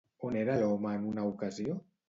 On era l'home en una ocasió?